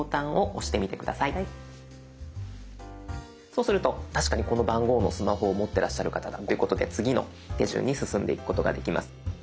そうすると確かにこの番号のスマホを持ってらっしゃる方だということで次の手順に進んでいくことができます。